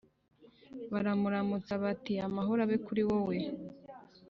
Baramuramutsa bati: “Amahoro abe kuri wowe